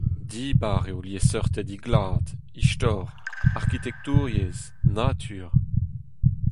Dibar eo liesseurted he glad : istor, arkitektouriezh, natur…